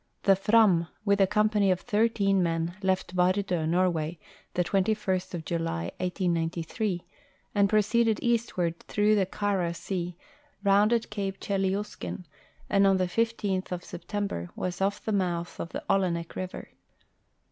The Fram, with a company of thirteen men, left Vardo, Nor way, the 21st of July, 1893, and proceeded eastward through the Kara sea, rounded cape Chelyuskin, and on the 15th of September was off the mouth of the Olenek river.